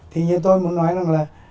thì như tôi muốn nói rằng là